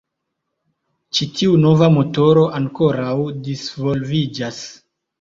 Ĉi tiu nova motoro ankoraŭ disvolviĝas.